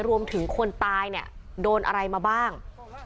รวมถึงคนตายโดนอะไรมาบ้าง